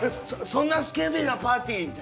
「そんなスケベなパーティー